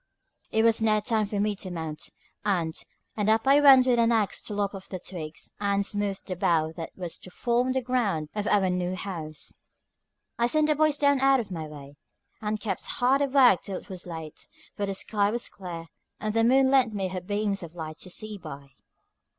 It was now time for me to mount, and up I went with an axe to lop off the twigs and smooth the bough that was to form the ground of our new house. I sent the boys down out of my way, and kept hard at work till it was late, for the sky was clear, and the moon lent me her beams of light to see by.